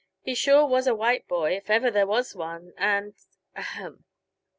He sure was a white boy, if ever there was one, and ahem!"